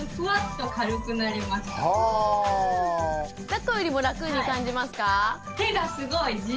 だっこよりも楽に感じますか？